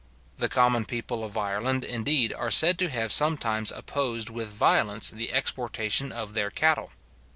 The common people of Ireland, indeed, are said to have sometimes opposed with violence the exportation of their cattle.